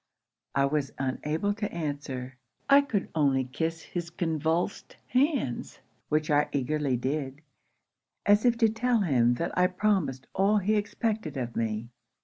'I was unable to answer. I could only kiss his convulsed hands; which I eagerly did, as if to tell him that I promised all he expected of me.